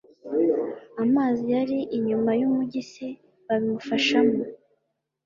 amazi yari inyuma y umugi c babimufashamo